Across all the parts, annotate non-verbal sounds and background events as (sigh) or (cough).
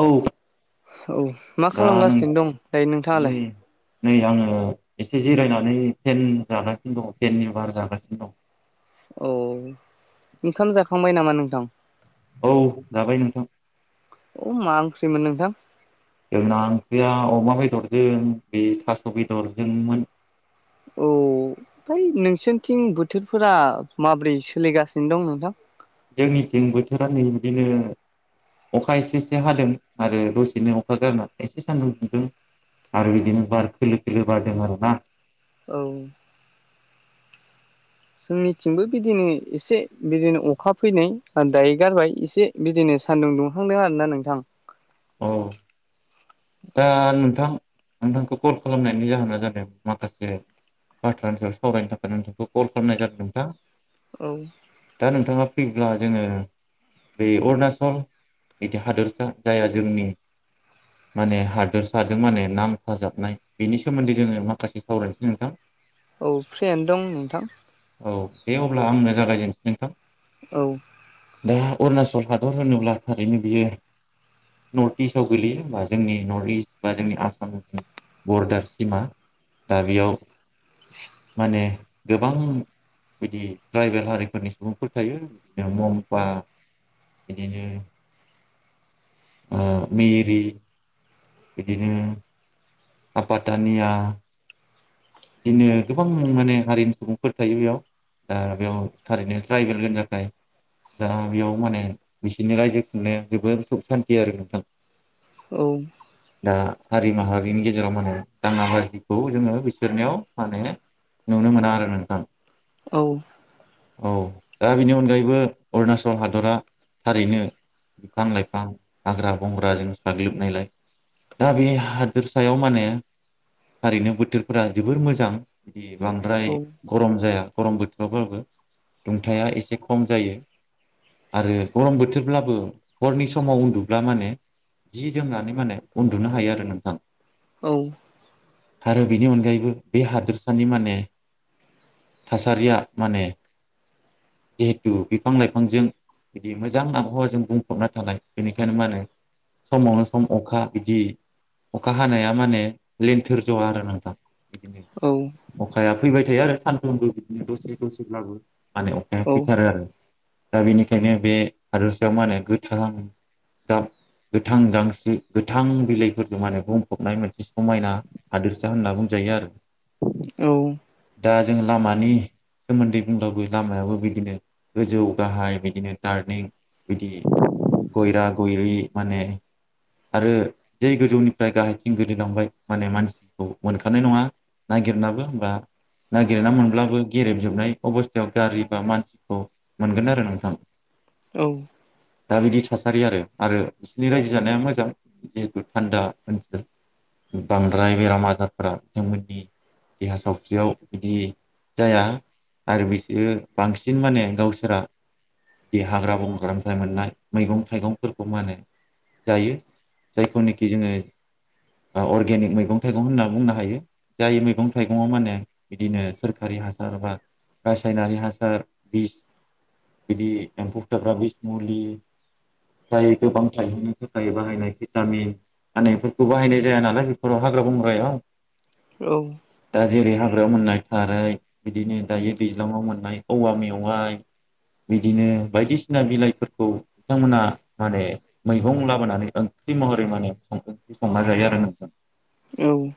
औ औ मा दा नों खालामगासिनो दं दायो नोंथाङालाय नै नै आंङो एसे जिरायनानै फेन जागासिनो दं। फेननि बार जागासिनो दं। औ ओंखाम जाखांबाय नामा नोंथां औ जाबाय नोंथां अ मा ओंख्रिमोन नोंथां जोंना ओंख्रिया अमा बेदरजों बे थास' बेदरजोंमोन औ फ्राय नोंसोरथिं बोथोरफोरा माबोरै सोलिगासिनो दं नोंथां जोंनि थिं बोथोरा नै बिदिनो अखा एसे एसे हादों आरो दसेनो अखा गारनानै एसे सान्दुं दुंदों आरो बिदिनो बार खोलो खोलो बारदों आरोना औ जोंनिथिंबो बिदिनो एसे बिदिनो अखा फैनाय दायो गारबाय एसे बिदिनो सान्दुं दुंखांदों आरोना नोंथां औ दा नोंथां नोंथांखौ कल खालामनायनि जाहोना जादों माखासे बाथ्रानि सायाव सावरायनो थाखाय नोंथांखौ कल खालामनाय जादों नोंथां औ दा नोंथाङा फैब्ला जोङो बे अरुणाचल बिदि हादोरसा जाय जोंनि माने हादोरसाजों माने नांफाजोबनाय बेनि सोमोन्दै जोङो माखासे सावरायनोसै नोंथां। (inaudible) औ फ्रियानो दं नोंथां। औ दे अब्ला आंनो जागायजेनसै नोंथां। औ दा अरुणाचल हादर होनोब्ला थारैनो बियो नर्थ इस्टआव गोलैयो होमबा। जोंनि नर्थ इस्ट बा जोंनि आसाम बरदार सिमा दा बेयाव माने गोबां बिदि ट्राइबेल हारिफोरनि सुबुंफोर थायो बिदिनो ममफा बिदिनो मिरि बिदिनो आफाटानिया बिदिनो गोबां माने हारिनि सुबुंफोर थायो बेयाव दा बेयाव थारैनो ट्राइबेलफोरनि थाखाय दा बेयाव माने बिसोरनि रायजो खुंनाया जोबोद सुख सानथि आरो नोंथां। औ दा हारि माहारिनि गेजेराव माने दाङा बाजिखौ जोङो बे नायाव माने नुनो मोना आरो नोंथां। औ औ दा बेनि अनगायैबो अरुणाचल हादरा थारैनो बिफां लाइफां हाग्रा बंग्रा जों साग्लोबनायलाय दा बे हादोरसायाव माने थारैनो बोथोर फोरा जोबोर मोजां बिदि बांद्राय औ गरम जाया गरम बोथोराबाबो दुंथाया एसे खम जायो। आरो गरम बोथोरब्लाबो हरनि समाव उन्दुब्ला माने जि जोमनानै माने उन्दुनो हायो आरो नोंथां। औ आरो बेनि अनगायैबो बे हादोरसानि माने थासारिया माने जिहेथु बिफां लाइफांजों बिदि मोजां आबहावाजों बुंफबना थानाय बेनिखायनो मा होनो? समावनो सम अखा बिदि अखा हानाया माने लनथोर ज'वा आरो नों औ अखाया फैबाय थायो आरो सानथामबो बिदिनो दसे दसेब्लाबो माने औ अखाया फैथारो आरो। दा बेनिखायनो बे हादसायाव मा होनो गोथां गाब गोथां दांसेरि गोथां बिलाइफोरजों माने बुंफबनाय मोनसे समायना हादोरसा सा होनना बुंजायो आरो। औ दा जों लामानि सोमोनदै बुंब्लाबो लामायाबो बिदिनो गोजौ गाहाय बिदिनो थारनिं बिदि गयरा गयरि माने आरो जे गोजौनिफ्राय गाहायथिं गोलैलांबाय माने मानसि मोनखानाय नङा नागिरनाबो होमबा नागिरना मोनब्लाबो गेरेबजोबनाय अबसथायाव गारि बा मानसिखौ मोनगोन आरो नोंथां औ दा बिदि थासारि आरो आरो बिसिनि रायजो जानाया मोजां जिहेथु थानदा ओनसोल बांद्राय बेराम आजारफोरा बिथांमोननि देहा सावस्रियाव बिदि जाया आरो बिसोरो बांसिन माने गावसोरा जि हाग्रा बंग्रानिफ्राय मोननाय मैगं थाइगंफोरखौ मा होनो जायो जायखौनोखि जोङो ओ अर्गेनिक मैगं-थाइगं खौ होनना बुंनो हायो जाय मैगं थाइगङाव मा होने बिदिनो सोरखारि हासार बा रासायनारि हासार बिस बिदि एमफौ बुथारग्रा बिज मुलि जायो गोबां थाइगंनि थाखाय बाहायनाय भिटामिन हानायफोरखौ बाहायनाय जाया नालाय बेफोराव हाग्रा बंग्रायाव। औ। दा जेरै हाग्रायाव मोननाय थाराय बिदिनो दायो दैज्लाङाव मोननाय औवा मेवाइ बिदिनो बायदिसिना बिलाइफोरखौ बिथांमोना माने मैगं लाबोनानै ओंख्रि महरै माने संदों। बे संना जायो आरो नोंथां। औ।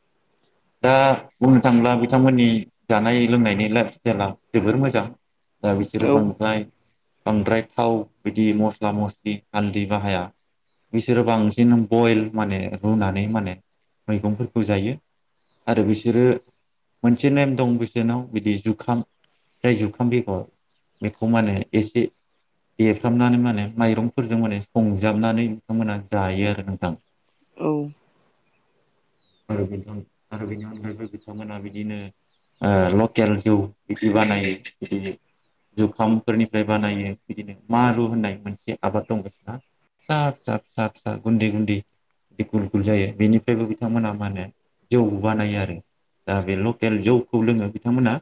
(inaudible) दा बुंनो थांब्ला बिथांमोननि जानाय लोंनायनि लाइफ स्टाइला जोबोर मोजां दा बिसोर बांद्राय बांद्राय थाव बिदि मस्ला मस्लि हालदि बाहाया। बिसोरो बांसिन बयल माने रुनानै माने मैगंफोरखौ जायो। आरो बिसोरो मोनसे नेम दं बिसोरनाव बिदि जुखाम जाय जुखाम बेगर बेखौ माने एसे देफ्रामनानै मा होने माइरंफोरजों माने संजाबनानै बिथांमोना जायो आरो नोंथां। आरो बिदनो आरो बेनि अनगायैबो बिथांमोना बिदिनो ओ लकेल जौ बिदि बानायो बिदि जुखामफोरनिफ्राय बानायो बिदिनो मारु होननाय मोनसे आबाद दं बिसना। फिसा फिसा फिसा फिसा गुनदि गुनदि गुल गुल जायो बेनिफ्रायबो बिथांमोना मा होनो जौ बानायो आरो। दा बे लकेल जौखौ लोङो बिथांमोना।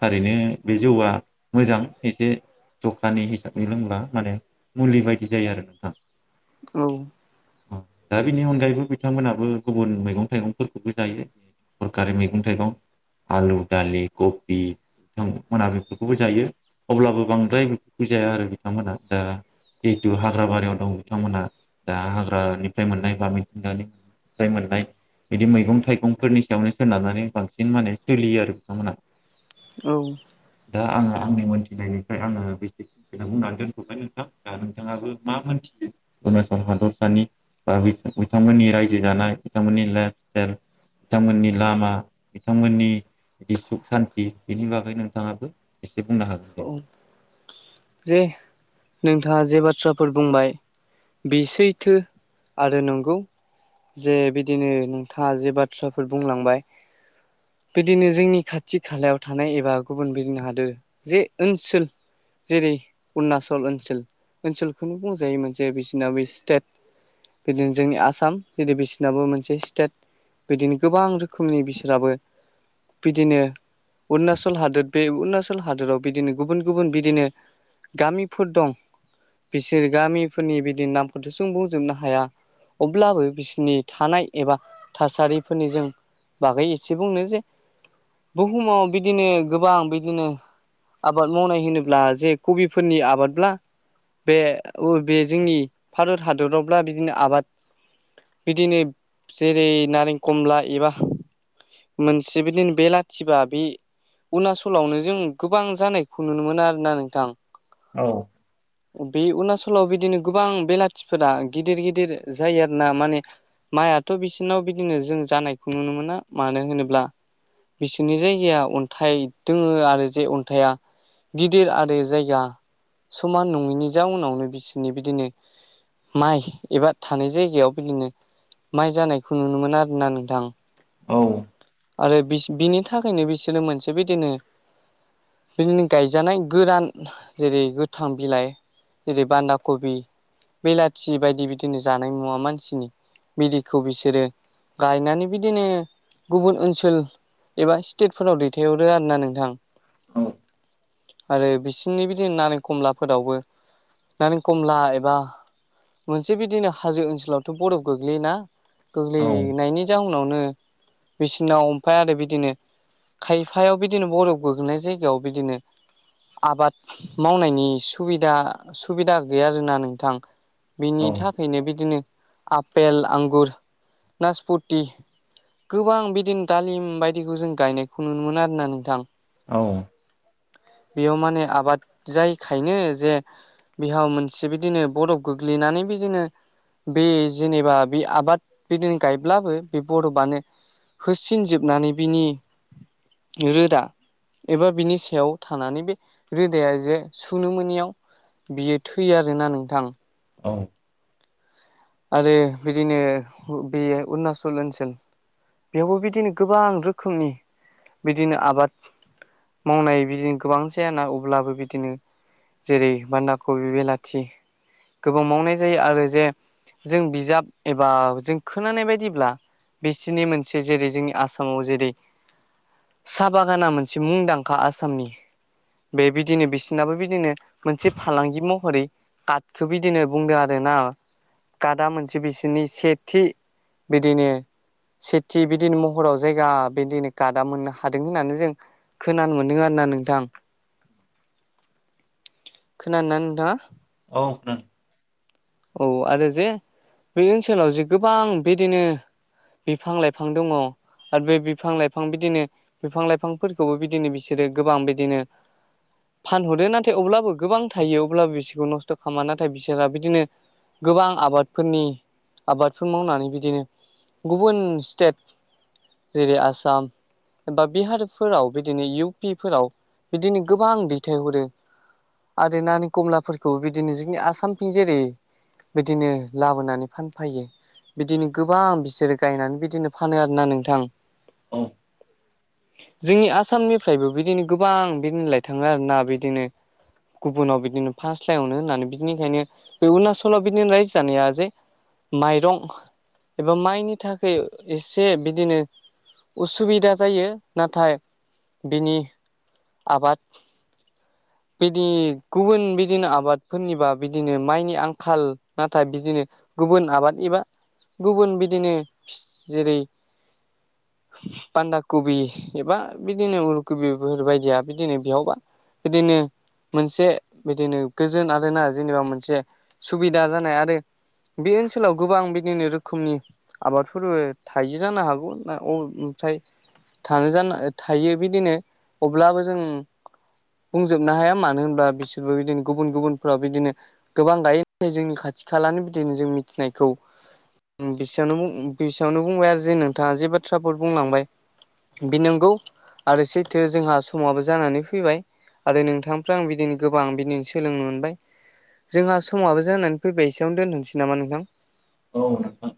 थारैनो बे जौआ मोजां एसे जखानि हिसाबै लोंब्ला माने मुलि बायदि जायो आरो नोंथां। औ। औ दा बिनि अन गायैबो बिथांमोनाबो गुबुन मैगं थाइगंफोरखौबो जायो सरखारि मैगं थाइगं। आलु, दालि, गबि बिथांमोना बेफोरखौबो जायो अब्लाबो बांद्राय बिफोरखौ जाया आरो बिथांमोना। ओ जिहेथु हाग्रा बारियाव दं बिथांमोना दा हाग्रानिफ्राय मोननाय बा मुथिंगानिफ्राय मोननाय बिदि मैगं थाइगंफोरनि सायावनो सोनारनानै बांसिन माने सोलियो आरो बिथांमोनहा। औ। दा आङो आंनि मोनथिनायनिफ्राय आङो बेसो बुंनानै दोनथ'बाय नोंथां दा नोंथाङाबो मा मोथियो अरूणाचल हादरसानि बा बिसोर बिथांमोननि रायजो जानाय बिथांमोननि लाइफ स्टाइल बिथांमोननि लामा बिथांमोननि जि सुख-सान्थि बिनि बागै नोंथाङाबो एसे बुंनो हागोन दे। औ जे नोंथाङा जे बाथ्राफोर बुंबाय बे सैथो आरो नंगौ। जे बिदिनो नोंथाङा जे बाथ्राफोर बुंलांबाय बिदिनो जोंनि खाथि खालायाव थानाय एबा गुबुन बिदिनो हादोर जे ओनसोल जेरै अरुनाचल ओनसोल ओनसोलखौनो बुंजायोमोन जे बिसिना बे स्टेट बिदिनो जोंनि आसाम बेदि बिसिनाबो मोनसे स्टेट। बिदिनो गोबां रोखोमनि बिसोराबो बिदिनो अरुणाचल हादोर बे अरुणाचल हादोराव बिदिनो गुबुन गुबुन बिदिनो गामिफोर दं बिसोर गामिफोरनि बिदि नामखौथ' सों बुंजोबनो हाया अब्लाबो बिसोरनि थानाय एबा थासारिफोरनि जों बागै एसे बुंनो जे बुहुमाव बिदिनो गोबां बिदिनो आबाद मावनाय होनोब्ला जे कबिफोरनि आबादब्ला बे बे जोंनि भारत हादरावब्ला बिदिनो आबाद बिदिनो जेरै नारें कमला एबा मोनसे बिदिनो बेलाथिबा बे अरुणचलावनो जों गोबां जानायखौ नुनो मोनो आरो ना नोंथां औ बे अरुणाचलाव बिदिनो गोबां बेलाथिफोरा गिदिर गिदिर जायो आरो ना माने माइथ' बिसोरनाव बिदिनो जों जानायखौ नुनो मोना मानो होनोब्ला बिसोरनि जायगाया अन्थाइ दङो आरो जे अन्थाइया गिदिर आरो जायगा समान नङैनि जाउनावनो बिसोरनि बिदिनो माइ एबा थानाय जायगायाव बिदिनो माइ जानायखौ नुनो मोनोन आरो ना नोंथां औ आरो बि बिनि थाखायनो बिसोरो मोनसे बिदिनो बिदिनो गायजानाय गोरान जेरै गोथां बिलाइ जेरै बान्दा कबि बेलाथि बायदि बिदिनो जानाय मुवा मानसिनि बिदिखौ बिसोरो गायनानै बिदिनो गुबुन ओनसोल एबा स्टेटफोराव दैथायहरो आरो ना नोंथां औ आरो बि बिनि बिदिनो नारें कमलाफोरावबो नारें कमला एबा मोनसे बिदिनो हाजो ओनसोलावथ' बरफ गोग्लैयोना औ गोग्लैनायनि जाउनावनो मेसिनाव ओमफाया आरो बिदिनो खायफायाव बिदिनो बरफ गोग्लैनाय जायगायाव बिदिनो आबाद मावनायनि सुबिदा सुबिदा गैया आरोना नोंथां बेनि था औ खायनो बिदिनो आपेल आंगुर नासपथि गोबां बिदिनो दालिम बायदिखौ जों गायनायखौ नुनो मोन आरोना नोंथां औ बेयाव माने आबाद जायखायनो जे बिहाव मोनसे बिदिनो बरफ गोग्लैनानै बिदिनो बे जेनेबा बे आबाद बिदिनो गायब्लाबो बे बर'फानो होसिनजोबनानै बिनि रोदा एबा बिनि सायाव थानानै बे रोदाया जे सुनो मोनोनियाव बियो थैयो आरोना नोंथां औ आरो बिदिनो बे अरुणाचल ओनसोल बेयावबो बिदिनो गोबां रोखोमनि बिदिनो आबाद मावनाय बिदिनो गोबां जायाना अब्लाबो बिदिनो जेरै बान्दा खबि बिलाथि गोबां मावनाय जायो आरो जे जों बिजाब एबा जों खोनानाय बायदिब्ला बिसोरनि मोनसे जेरै जोंनि आसामाव जेरै साहा बागाना मोनसे मुंदांखा आसामनि बे बिदिनो बिसिनाबो बि दिनो मोनसे फालांगि महरै काटखौ बिदिनो बुंदों आरो ना काटा मोनसे बिसोरनि सेथि बिदिनो सेथि बिदिनो महराव जायगा बिदिनो काटा मोननो हादों होननानै जों खोनानो मोन्दों आरो ना नोंथां खोनादोना नोंथाङा औ खोनादों औ आरो जे बे ओनसोलाव जे गोबां बेदिनो बिफां लाइफां दङ आरो बे बिफां लाइफां बिदिनो बिफां लाइफांफोरखौबो बिदिनो बिसोरो गोबां बिदिनो फानहरदो नाथाय अब्लाबो गोबां थायो अब्लाबो बिसोरखौ नस्थ' खालामा नाथाय बिसोरा बिदिनो गोबां आबादफोरनि आबादफोर मावनानै बिदिनो गुबुन स्टेट जेरै आसाम एबा बिहारफोराव बिदिनो इउ पिफोराव बिदिनो गोबां दैथायहरो आरो नारें कमलाफोरखौ बिदिनो जोंनि आसामथिं जेरै बिदिनो लाबोनानै फानफायो बिदिनो गोबां बिसोरो गायनानै बिदिनो फानो आरो ना नोंथां औ जोंनि आसामनिफ्रायबो बिदिनो गोबां बिदिनो लाय थाङो आरोना बिदिनो गुबुनाव बिदिनो फास्लायावनो होननानै बिदिनिखायनो बे अरुणाचलाव बिदिनो रायजो जानाया जे माइरं एबा माइनि थाखाय एसे बिदिनो उसुबिदा जायो नाथाय बिनि आबाद बिदि गुबुन बिदिनो आबादफोरनिबा बिदिनो माइनि आंखाल नाथाय बिदिनो गुबुन आबाद एबा गुबुन बिदिनो फि जेरै (inaudible) बान्दा कबि एबा बिदिनो अल कबिफोर बायदिया बिदिनो बेयावबा बिदिनो मोनसे बिदिनो गोजोन आरोना जेनेबा मोनसे सुबिदा जानाय आरो बे ओनसोलाव गोबां बिदिनो रोखोमनि आबादफोरबो थायो जानो हागौ ना अ ओमफ्राय थानो जा थायो बिदिनो अब्लाबो जों बुंजोबनो हाया मानो होनब्ला बिसोरबो बिदिनो गुबुन गुबुनफ्राव बिदिनो गोबां गायो जोंनि खाथि खालनि बिदिनो जों मिथिनायखौ बेसेयावनो बेसेयावनो बुंबाय आरो जे नोंथाङा जे बाथ्राफोर बुंलांबाय बे नंगौ आरो सैथो जोंहा समाबो जानानै फैबाय आरो नोंथांफ्राय आं बिदिनो गोबां बिदिनो सोलोंनो मोनबाय जोंहा समाबो जानानै फैबाय एसेयाव दोनथ'नसै नामा नोंथां औ नोंथां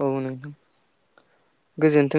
औ नोंथां गोजोनथों